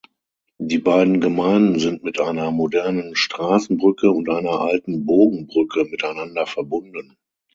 Die beiden Gemeinden sind mit einer modernen Strassenbrücke und einer alten Bogenbrücke miteinander verbunden.